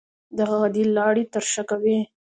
دغه غدې لاړې ترشح کوي.